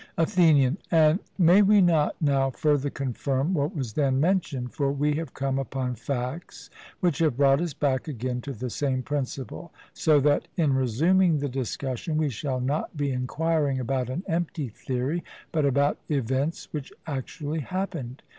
ATHENIAN: And may we not now further confirm what was then mentioned? For we have come upon facts which have brought us back again to the same principle; so that, in resuming the discussion, we shall not be enquiring about an empty theory, but about events which actually happened.